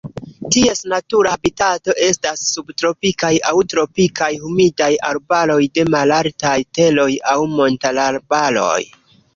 Ties natura habitato estas subtropikaj aŭ tropikaj humidaj arbaroj de malaltaj teroj aŭ montararbaroj.